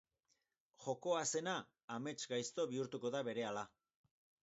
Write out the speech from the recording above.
Jokoa zena, amesgaizto bihurtuko da berehala.